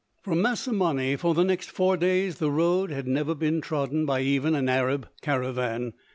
From Masimani, for the next four days, the road had never been trodden by even an Arab caravan.